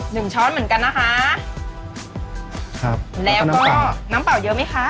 หนึ่งช้อนเหมือนกันนะคะครับแล้วก็น้ำเปล่าน้ำเปล่าเยอะไหมคะ